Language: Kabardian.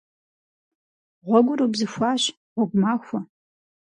Гъуэгур убзыхуащ. Гъуэгу махуэ!